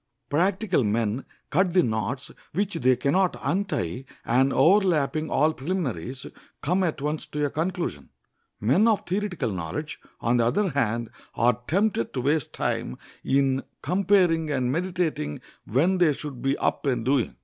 Practical men cut the knots which they can not untie, and, overleaping all preliminaries, come at once to a conclusion. Men of theoretical knowledge, on the other hand, are tempted to waste time in comparing and meditating when they should be up and doing.